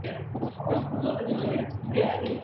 د غاښونو لپاره د فلورایډ استعمال ګټور دی.